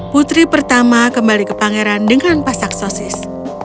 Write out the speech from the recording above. putri pertama kembali ke pangeran dengan pasak sosis